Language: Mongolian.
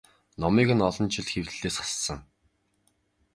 Номыг нь олон жил хэвлэлээс хассан.